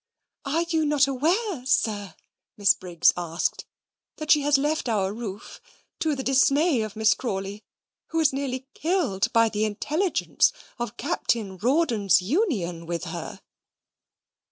"Are you not aware, sir," Miss Briggs asked, "that she has left our roof, to the dismay of Miss Crawley, who is nearly killed by the intelligence of Captain Rawdon's union with her?"